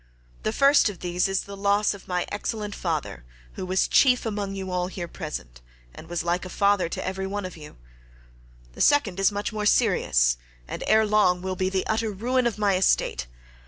The first of these is the loss of my excellent father, who was chief among all you here present, and was like a father to every one of you; the second is much more serious, and ere long will be the utter ruin of my estate.